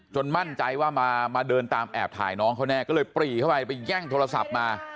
มั่นใจว่ามาเดินตามแอบถ่ายน้องเขาแน่ก็เลยปรีเข้าไปไปแย่งโทรศัพท์มา